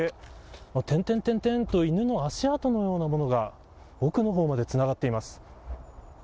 点々と犬の足跡のようなものが奥の方までつながっています。